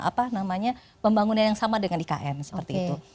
apa namanya pembangunan yang sama dengan ikn seperti itu